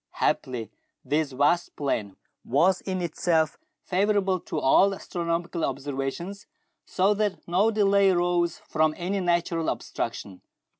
Happily this vast plain was in itself favourable to all astronomical observations, so that no delay arose from any natural obstruction.